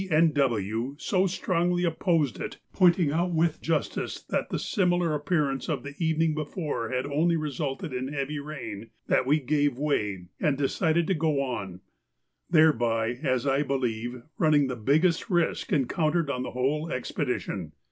and W. so strongly opposed it, pointing out with justice that the similar appearance of the evening before had only resulted in heavy rain, that we gave way and decided to go on, thereby, as I believe, running the biggest risk encountered on the whole expedition.